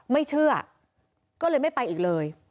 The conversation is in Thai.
ไม่เชื่อก็เลยไม่ไปอีกเลย